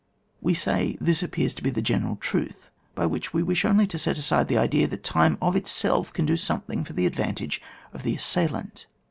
We say, this appears to be the general truth, by which we only wish to set aside the idea that time of itself can do some thing for the advantage of the assailant.